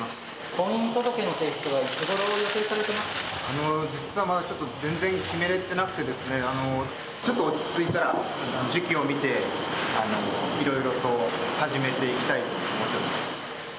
婚姻届の提出はいつごろを予実はまだちょっと全然決めれてなくて、ちょっと落ち着いたら、時期を見ていろいろと始めていきたいと思っています。